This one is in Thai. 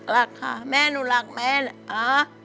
รักค่ะแม่หนูรักแม่นะคะ